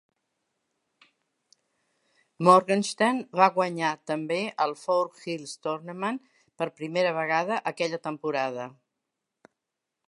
Morgenstern va guanyar també el Four Hills Tournament per primera vegada aquella temporada.